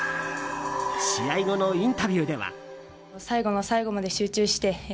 試合後のインタビューでは。